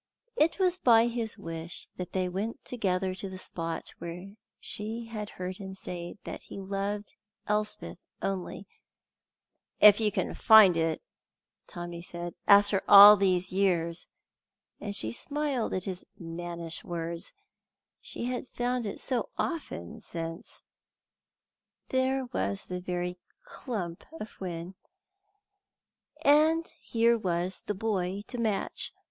It was by his wish that they went together to the spot where she had heard him say that he loved Elspeth only "if you can find it," Tommy said, "after all these years"; and she smiled at his mannish words she had found it so often since! There was the very clump of whin. And here was the boy to match.